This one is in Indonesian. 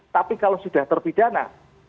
tapi kalau sudah terpidana